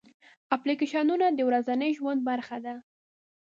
اپلیکیشنونه د ورځني ژوند برخه ده.